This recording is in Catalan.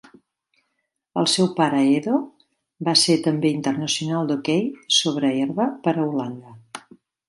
El seu pare Edo va ser també internacional d'hoquei sobre herba per a Holanda.